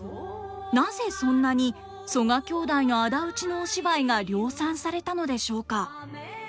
なぜそんなに曽我兄弟の仇討ちのお芝居が量産されたのでしょうか？